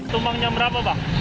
tumbangnya berapa pak